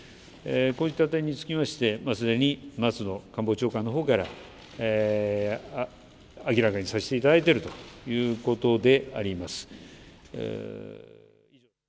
こういった点につきまして、すでに松野官房長官のほうから明らかにさせていただいているということであります。